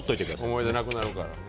思い出なくなるから。